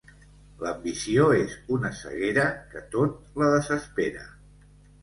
L'ambició és una ceguera que tot la desespera.